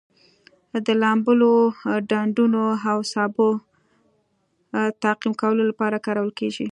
د لامبلو ډنډونو او سابو تعقیم کولو لپاره کارول کیږي.